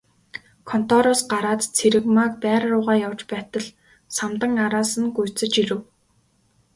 Контороос гараад Цэрэгмааг байр руугаа явж байтал Самдан араас нь гүйцэж ирэв.